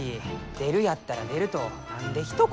出るやったら出ると何でひと言。